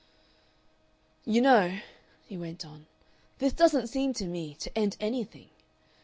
"You know," he went on, "this doesn't seem to me to end anything.